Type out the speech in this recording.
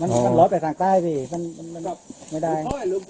อันนี้มันหลอดไปทางใต้พี่มันไม่ได้